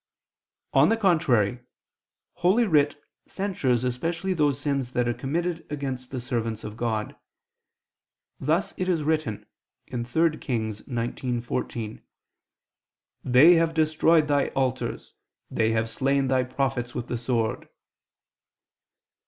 On the contrary, Holy Writ censures especially those sins that are committed against the servants of God. Thus it is written (3 Kings 19:14): "They have destroyed Thy altars, they have slain Thy prophets with the sword."